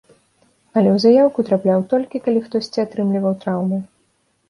Але ў заяўку трапляў, толькі калі хтосьці атрымліваў траўмы.